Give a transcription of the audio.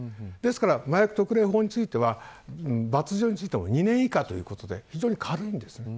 ですから麻薬特例法については罰条については２年以下ということで非常に軽いです。